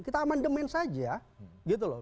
kita amandemen saja gitu loh